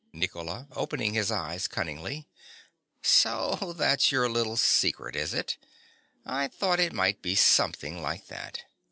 NICOLA. (opening his eyes cunningly). So that's your little secret, is it? I thought it might be something like that.